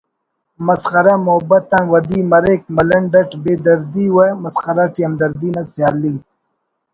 مسخرہ محبت آن ودی مریک ملنڈ اٹ بے دردی و مسخرہ ٹی ہمدردی نا سیالی